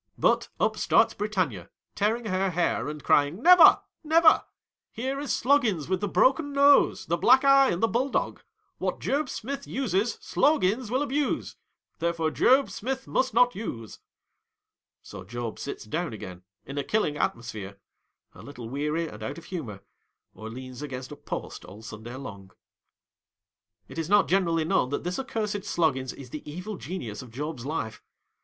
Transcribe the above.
But, up starts Britannia, tearing her hair and crying, " Never, never ! j Here is Sloggins with the broken nose, the : black eye, and the bulldog. What Job Smith uses, Sloggins will abuse. Therefore, Job Smith must not use." So, Job sits down again in a killing atmosphere, a little weary and out of humour, or leans against a post all Sunday long. It is not generally known that this accursed Sloggins is the evil genius of Job's life.